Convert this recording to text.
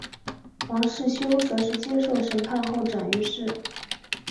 王世修则是接受审判后斩于市。